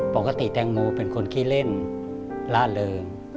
ปกติแตงโมเป็นคนขี้เล่นล่าเริง